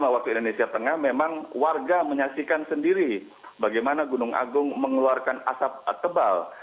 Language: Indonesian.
lima waktu indonesia tengah memang warga menyaksikan sendiri bagaimana gunung agung mengeluarkan asap tebal